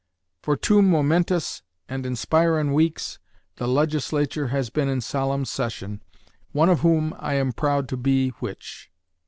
For two momentus and inspirin' weeks the Legislature has been in solemn session, one of whom I am proud to be which.